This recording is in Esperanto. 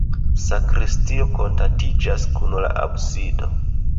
Sakristio kontaktiĝas kun la absido.